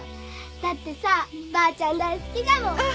だってさばあちゃん大好きじゃもん